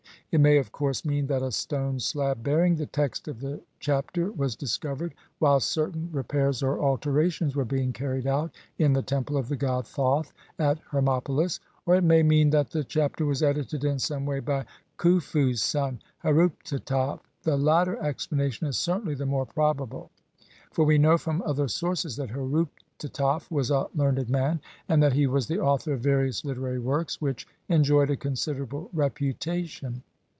It may, of course, mean that a stone slab bearing the text of the Chapter was discovered whilst certain re pairs or alterations were being carried out in the temple of the god Thoth at Hermopolis, or it may mean that the Chapter was edited in some way by Khufu's son Herutataf. The latter explanation is cer tainly the more probable, for we know from other sources that Herutataf was a learned man, and that he was the author of various literary works, which enjoyed a considerable reputation.